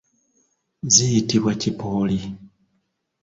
Ziyitibwa kipooli.